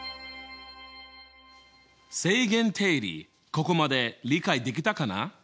ここまで理解できたかな？